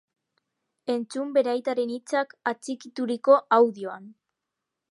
Entzun bere aitaren hitzak atxikituriko audioan!